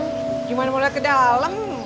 gimana mau liat ke dalem